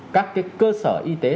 các cái cơ sở y tế